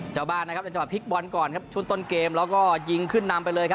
เจ้าบ้านนะครับเป็นเจ้าพลิกบอลก่อนครับชุดต้นเกมแล้วก็ยิงขึ้นนำไปเลยครับ